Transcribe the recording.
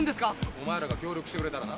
お前らが協力してくれたらな。